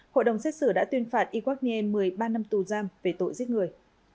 hội đồng xét xử đã tuyên phạt iwak nye một mươi ba năm tù giam về tội giết người